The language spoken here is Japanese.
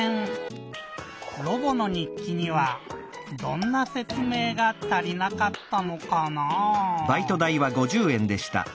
ロボの日記にはどんなせつめいが足りなかったのかなぁ？